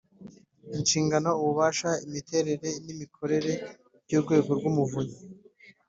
Inshingano Ububasha imiterere n imikorere by Urwego rw Umuvunyi